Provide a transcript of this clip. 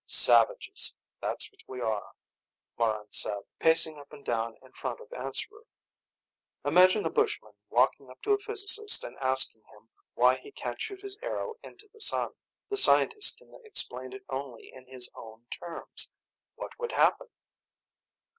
"Savages, that's what we are," Morran said, pacing up and down in front of Answerer. "Imagine a bushman walking up to a physicist and asking him why he can't shoot his arrow into the sun. The scientist can explain it only in his own terms. What would happen?"